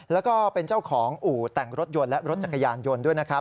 แล้วก็เป็นเจ้าของอู่แต่งรถยนต์และรถจักรยานยนต์ด้วยนะครับ